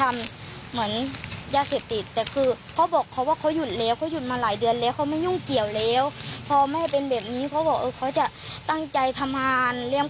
เราเชื่อไหมครับว่าพี่ชายเราไปร้านน้ำชายจุดระดับ